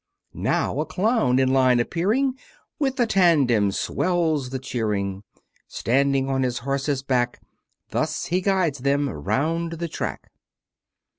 Now a Clown in line appearing With a tandem, swells the cheering; Standing on his Horse's back Thus he guides them round the track.